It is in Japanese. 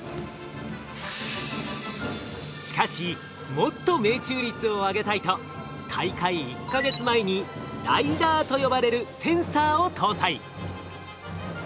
しかしもっと命中率を上げたいと大会１か月前に「ライダー」と呼ばれるセンサーを搭載。